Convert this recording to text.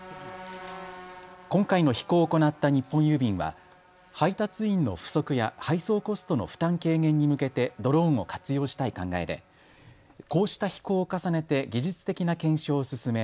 今回の飛行を行った日本郵便は配達員の不足や配送コストの負担軽減に向けてドローンを活用したい考えでこうした飛行を重ねて技術的な検証を進め